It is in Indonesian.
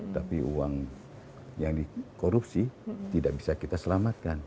tapi uang yang dikorupsi tidak bisa kita selamatkan